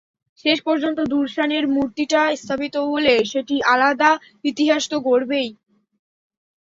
শেষ পর্যন্ত দুরসানের মূর্তিটা স্থাপিত হলে সেটি আলাদা ইতিহাস তো গড়বেই।